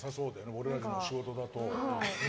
俺たちの仕事だと。